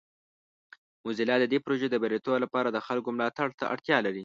موزیلا د دې پروژې د بریالیتوب لپاره د خلکو ملاتړ ته اړتیا لري.